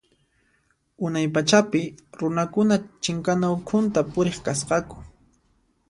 Unay pachapi runakuna chinkana ukhunta puriq kasqaku.